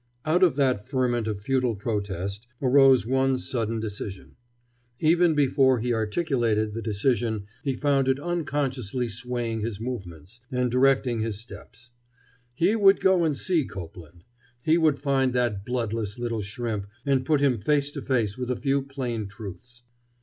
Out of that ferment of futile protest arose one sudden decision. Even before he articulated the decision he found it unconsciously swaying his movements and directing his steps. He would go and see Copeland! He would find that bloodless little shrimp and put him face to face with a few plain truths.